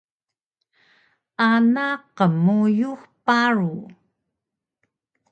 ana qmuyux paru